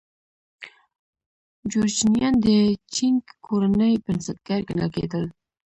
جورچنیان د چینګ کورنۍ بنسټګر ګڼل کېدل.